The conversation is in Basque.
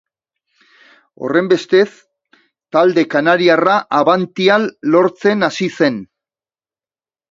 Horrenbestez, talde kanariarra abantial lortzen hasi zen.